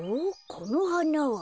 このはなは。